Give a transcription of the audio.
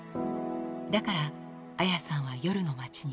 だからアヤさんは夜の街に。